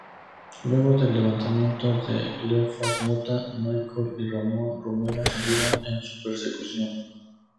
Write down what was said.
Luego del levantamiento de Cleofás Mota, Michel y Ramón Romero salieron en su persecución.